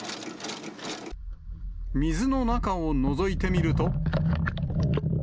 水の中をのぞいてみると。